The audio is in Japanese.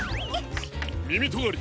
みみとがり！